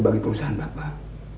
bagi perusahaan bapak